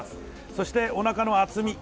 そして、おなかの厚み。